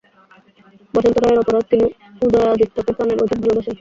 বসন্ত রায়ের অপরাধ, তিনি উদয়াদিত্যকে প্রাণের অধিক ভালবাসেন।